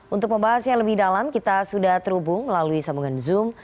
untuk membahasnya lebih dalam kita sudah terhubung melalui sambungan zoom